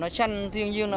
mùi chất thải gia súc